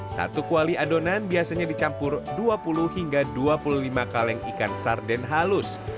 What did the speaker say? satu kuali adonan biasanya dicampur dua puluh hingga dua puluh lima kaleng ikan sarden halus